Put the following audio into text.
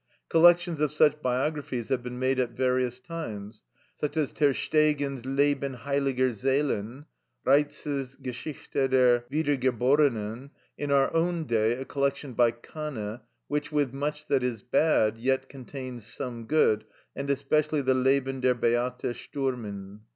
Collections of such biographies have been made at various times, such as Tersteegen's "Leben heiliger Seelen," Reiz's "Geschichte der Wiedergeborennen," in our own day, a collection by Kanne, which, with much that is bad, yet contains some good, and especially the "Leben der Beata Sturmin."